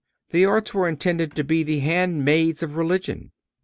The arts were intended to be the handmaids of religion.